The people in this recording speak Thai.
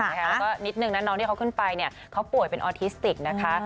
แล้วก็นิดนึงนะน้องที่เขาขึ้นไปเขาป่วยเป็นออทิสติกนะคะ